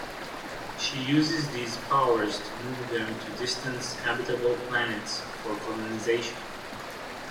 She uses these powers to move them to distant habitable planets for colonization.